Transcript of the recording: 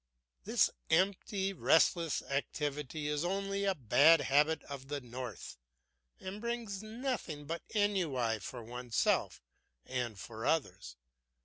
This empty, restless activity is only a bad habit of the north and brings nothing but ennui for oneself and for others.